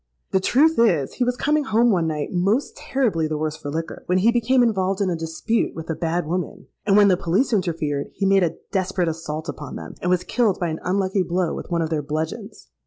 'The truth is, he was coming home one night most terribly the worse for liquor, when he became involved in a dispute with a bad woman; and when the police interfered, he made a desperate assault upon them, and was killed by an unlucky blow with one of their bludgeons.'